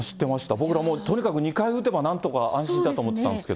僕らもう２回打てばなんとか安心だと思ってたんですけど。